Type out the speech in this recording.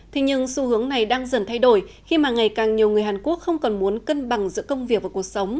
thế nhưng xu hướng này đang dần thay đổi khi mà ngày càng nhiều người hàn quốc không còn muốn cân bằng giữa công việc và cuộc sống